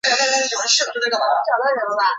宁有子胡虔。